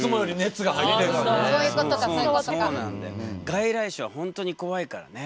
外来種は本当に怖いからね。